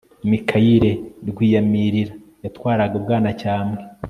mikayire rwiyamirira yatwaraga ubwanacyambwe